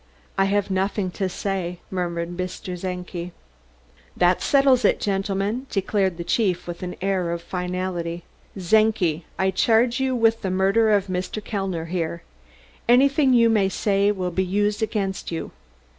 "I have nothing to say," murmured Mr. Czenki. "That settles it, gentlemen," declared the chief with an air of finality. "Czenki, I charge you with the murder of Mr. Kellner here. Anything you may say will be used against you.